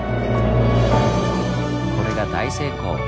これが大成功！